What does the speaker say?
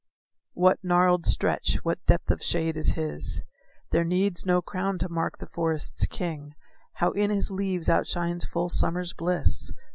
What gnarled stretch, what depth of shade is his! There needs no crown to mark the forest's king; How in his leaves outshines full summer's bliss!